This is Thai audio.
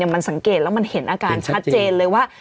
มันสังเกตแล้วมันเห็นอาการชัดเจนเลยว่า